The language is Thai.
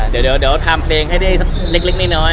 เดี๋ยวทำเพลงให้ได้เล็กนิ้นน้อย